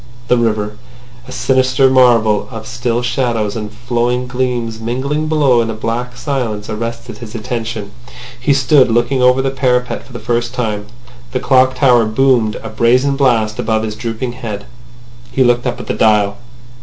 The river, a sinister marvel of still shadows and flowing gleams mingling below in a black silence, arrested his attention. He stood looking over the parapet for a long time. The clock tower boomed a brazen blast above his drooping head. He looked up at the dial.